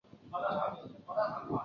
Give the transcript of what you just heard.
生员出身。